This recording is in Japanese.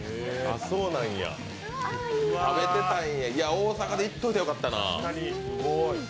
大阪で行っときゃよかったな。